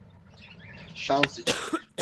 Şans için.